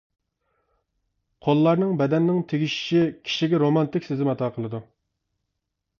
قوللارنىڭ بەدەننىڭ تېگىشىشى كىشىگە رومانتىك سېزىم ئاتا قىلىدۇ.